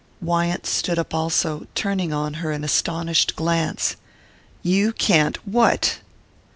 Wyant stood up also, turning on her an astonished glance. "You can't what